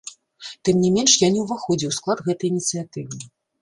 Тым не менш, я не ўваходзіў у склад гэтай ініцыятывы.